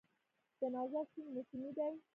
د نوزاد سیند موسمي دی